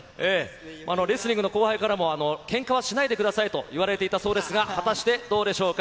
レスリングの後輩からも、けんかはしないでくださいと言われていたそうですが、果たして、どうでしょうか。